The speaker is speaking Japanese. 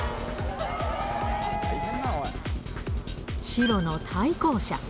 白の対向車。